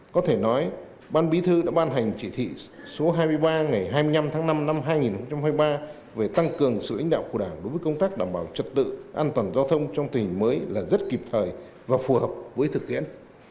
có thể nói ban bí thư đã ban hành chỉ thị số hai mươi ba ngày hai mươi năm tháng năm năm hai nghìn hai mươi ba về tăng cường sự lãnh đạo của đảng đối với công tác đảm bảo trật tự an toàn giao thông trong tình hình mới là rất kịp thời và phù hợp với thực tiễn